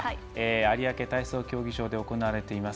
有明体操競技場で行われています